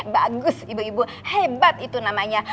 bagus ibu ibu hebat itu namanya